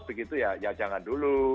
begitu ya jangan dulu